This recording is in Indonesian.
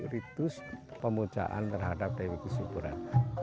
ritus pemujaan terhadap dewi kusyukuran